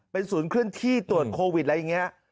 เป็นศูนย์เคลื่อนที่ตรวจโควิดอะไรอย่างนี้